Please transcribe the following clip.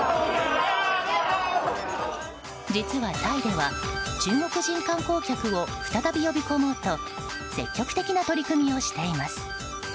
実はタイでは中国人観光客を再び呼び込もうと積極的な取り組みをしています。